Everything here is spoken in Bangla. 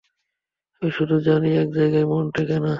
আমি শুধু জানি, একজায়গায় মন টেকে না।